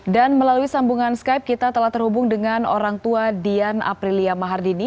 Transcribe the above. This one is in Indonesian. dan melalui sambungan skype kita telah terhubung dengan orang tua dian aprilia mahardini